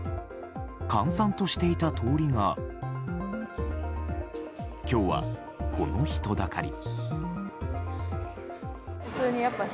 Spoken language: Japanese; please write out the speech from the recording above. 閑散としていた通りが今日は、この人だかり。